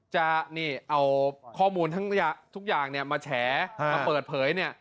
จะเอาข้อมูลทั้งทุกอย่างมาแชร์มาเปิดเผย